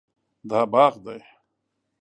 دا باغ دی